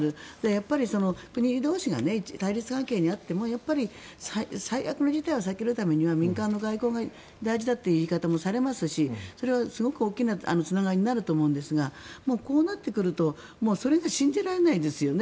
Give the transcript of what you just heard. やっぱり国同士が対立関係にあっても最悪の事態を避けるためには民間の外交が大事だという言い方もされますしそれはすごく大きなつながりになると思うんですがこうなってくるとそれが信じられないですよね。